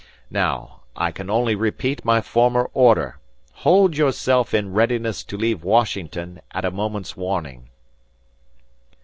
Now, I can only repeat my former order; hold yourself in readiness to leave Washington at a moment's warning."